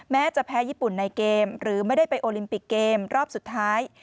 แม้จะแพ้ญี่ปุ่นในเกมหรือไม่ได้ไปโอลิมปิกเกมรอบสุดท้าย